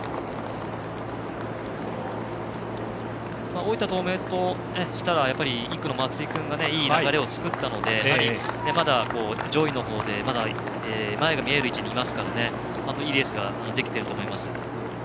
大分東明としたら１区の松井君がいい流れを作ったのでまだ上位の方で前が見える位置にいますからいいレースができてると思います。